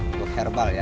untuk herbal ya